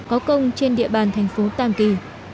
có công trên địa bàn thành phố tàng kỳ